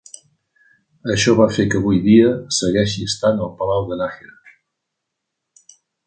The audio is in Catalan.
Això va fer que avui dia, segueixi estant al Palau de Nájera.